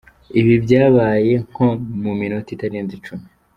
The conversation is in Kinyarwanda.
Ibi byabaye nko mu minota itarenze icumi.